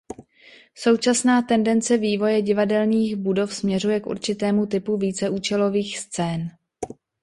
Současná tendence vývoje divadelních budov směřuje k určitému typu víceúčelových scén.